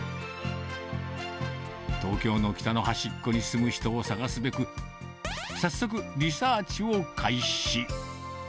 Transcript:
東京の北の端っこに住む人を探すべく、早速、リサーチを開始。